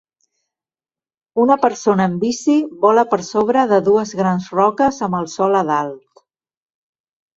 Una persona en bici vola per sobre de dues grans roques amb el sol a dalt